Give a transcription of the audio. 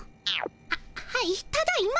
あっはいただいま。